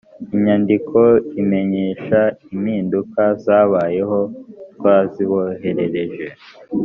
inyandiko imenyesha impinduka zabayeho twaziboherereje